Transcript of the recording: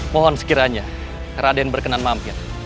mohon sekiranya raden berkenan mampir